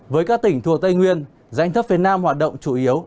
với các tỉnh thuộc tây nguyên dãnh thấp phía nam hoạt động chủ yếu